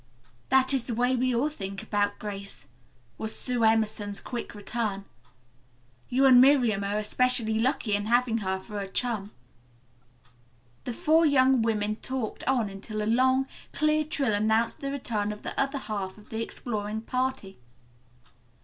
"That is the way we all think about Grace," was Sue Emerson's quick return. "You and Miriam are especially lucky in having her for a chum." The four young women talked on until a long, clear trill announced the return of the other half of the exploring party.